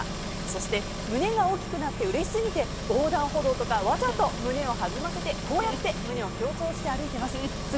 そして、胸が大きくなってうれしすぎて横断歩道とかわざと胸を弾ませてこうやって胸を強調して歩いてます。